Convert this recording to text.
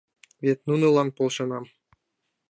Вет нунылан полшенам.